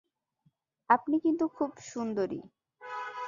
আপনি কিন্তু খুব সুন্দরী।